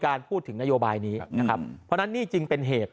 พูดถึงนโยบายนี้นะครับเพราะฉะนั้นนี่จึงเป็นเหตุ